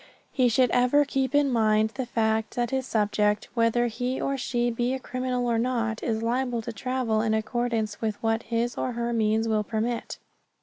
He should ever keep in mind the fact that his subject, whether he or she be a criminal or not, is liable to travel in accordance with what his or her means will permit.